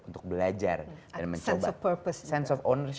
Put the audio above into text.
untuk belajar dan mencoba